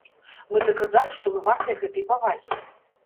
Мы даказалі, што мы вартыя гэтай павагі.